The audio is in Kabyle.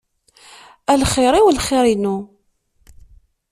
A lxir-iw lxir-inu.